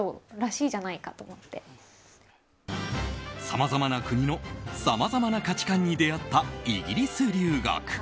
さまざまな国のさまざまな価値観に出会ったイギリス留学。